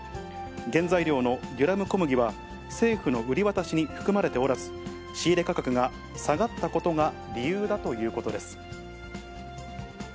原材料のデュラム小麦は、政府の売り渡しに含まれておらず、仕入れ価格が下がったことが理由だということです。